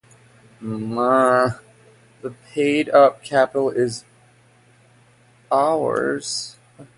The paid up capital is Rs.